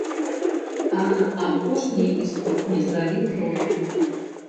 А апошні іспыт не здалі трое.